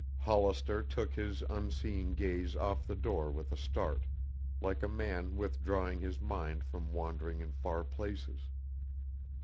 Hollister took his unseeing gaze off the door with a start, like a man withdrawing his mind from wandering in far places.